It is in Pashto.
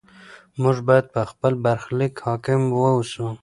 موږ باید په خپل برخلیک حاکم واوسو.